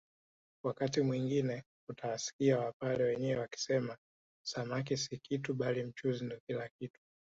Wakati mwingine utawasikia wapare wenyewe wakisema samaki si kitu bali mchuzi ndio kila kitu